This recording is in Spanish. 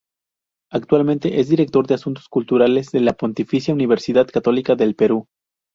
Actualmente es director de Asuntos Culturales de la Pontificia Universidad Católica del Perú.